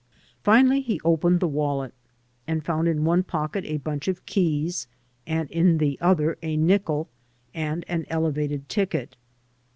Finally he opened the wallet, and foimd in one pocket a bunch of keys and in the other a nickel and an Elevated ticket.